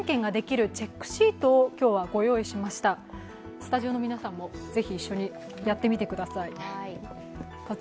スタジオの皆さんもぜひ一緒にやってみてください。